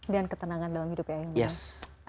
dan ketenangan dalam hidup ya ayelman